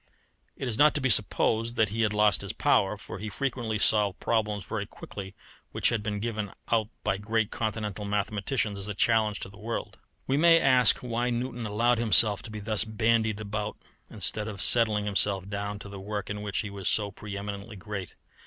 It is not to be supposed that he had lost his power, for he frequently solved problems very quickly which had been given out by great Continental mathematicians as a challenge to the world. We may ask why Newton allowed himself to be thus bandied about instead of settling himself down to the work in which he was so pre eminently great.